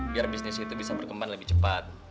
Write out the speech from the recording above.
biar bisnis itu bisa berkembang lebih cepat